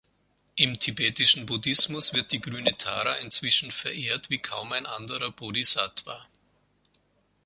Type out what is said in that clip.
Im tibetischen Buddhismus wird die grüne Tara inzwischen verehrt wie kaum ein anderer Bodhisattva.